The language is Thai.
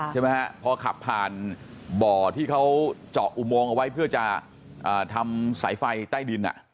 ใช่ไหมฮะพอขับผ่านบ่อที่เขาเจาะอุโมงเอาไว้เพื่อจะทำสายไฟใต้ดิน